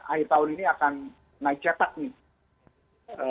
akhir tahun ini akan naik cetak nih